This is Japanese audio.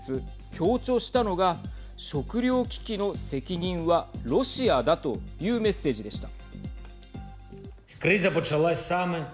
強調したのが食料危機の責任はロシアだというメッセージでした。